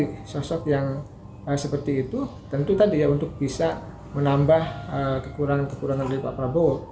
sebagai sosok yang seperti itu tentu tadi ya untuk bisa menambah kekurangan kekurangan dari pak prabowo